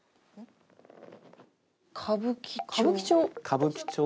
歌舞伎町。